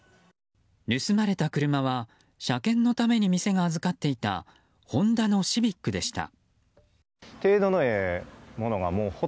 盗まれた車は車検のために店があずかっていたホンダのシビックでした。